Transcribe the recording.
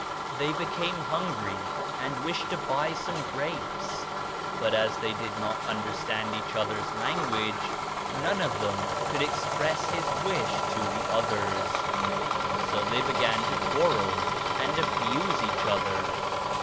They became hungry and wished to buy some grapes but as they did not understand each other's language none of them could express his wish to die others. So they began to quarrel and abuse each other.